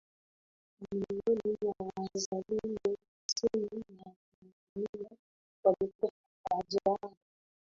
Mamilioni ya wazalendo kusini mwa Tanzania walikufa kwa njaa